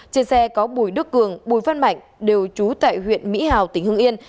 trên xe có bùi đức cường bùi văn mạnh đều chú tại huyện mỹ hào tỉnh hương yên